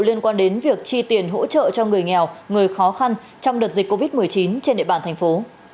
liên quan đến việc chi tiền hỗ trợ cho người nghèo người khó khăn trong đợt dịch covid một mươi chín trên địa bàn thành phố